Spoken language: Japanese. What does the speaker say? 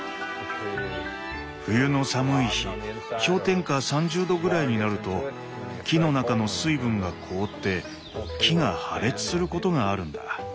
冬の寒い日氷点下３０度ぐらいになると木の中の水分が凍って木が破裂することがあるんだ。